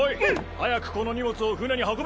早くこの荷物を船に運べ！